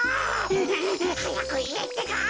はやくいえってか。